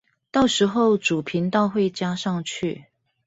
到時候主頻道會加上去